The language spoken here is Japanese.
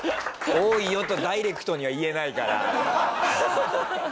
「多いよ」とダイレクトには言えないから。